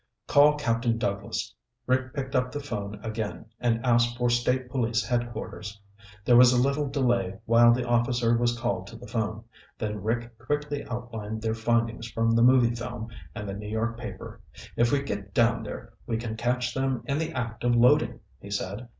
"Call Captain Douglas." Rick picked up the phone again and asked for State Police headquarters. There was a little delay while the officer was called to the phone, then Rick quickly outlined their findings from the movie film and the New York paper. "If we get down there, we can catch them in the act of loading," he said.